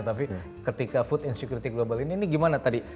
tapi ketika food and security global ini ini gimana tadi